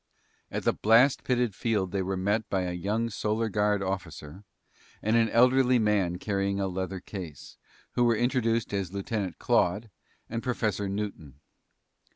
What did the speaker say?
At the blast pitted field they were met by a young Solar Guard officer and an elderly man carrying a leather case, who were introduced as Lieutenant Claude and Professor Newton.